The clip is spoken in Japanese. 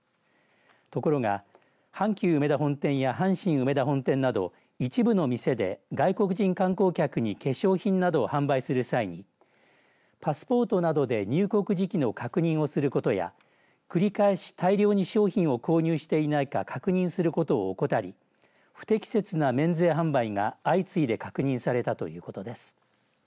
ところが阪急うめだ本店や阪神梅田本店など一部の店で外国人観光客に化粧品などを販売する際にパスポートなどで入国時期を確認をすることや繰り返し大量に商品を購入していないか確認することを怠り不適切な免税販売が相次いで確認されたということです。